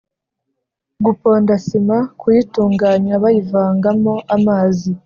guponda sima: kuyitunganya bayivangamo amazi